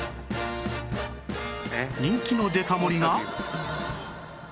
人気のデカ盛りが